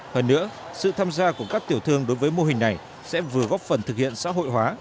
hơn nữa sự tham gia của các tiểu thương đối với mô hình này sẽ vừa góp phần thực hiện xã hội hóa